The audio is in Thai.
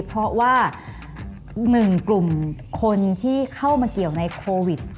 เพราะว่า๑กลุ่มคนที่เข้ามาเกี่ยวในโควิด